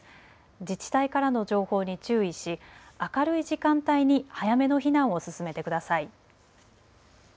自治体からの情報に注意し明るい時間帯に早めの避難を進めてください。